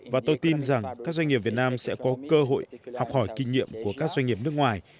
và tôi tin rằng các doanh nghiệp việt nam sẽ có cơ hội học hỏi kinh nghiệm của các doanh nghiệp nước ngoài